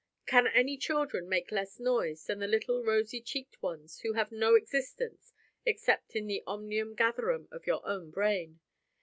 Can any children make less noise than the little rosy cheeked ones who have no existence except in the omnium gatherum of your own brain?